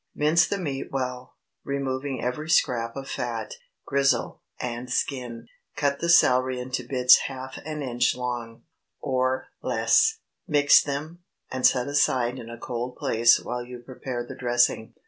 Mince the meat well, removing every scrap of fat, gristle, and skin; cut the celery into bits half an inch long, or less, mix them, and set aside in a cold place while you prepare the dressing.